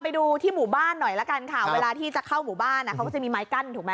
ไปดูที่หมู่บ้านหน่อยละกันค่ะเวลาที่จะเข้าหมู่บ้านเขาก็จะมีไม้กั้นถูกไหม